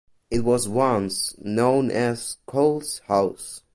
It was once known as Coles House.